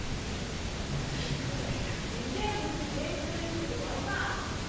もっとひどくなっていた微生物研究してる場合か！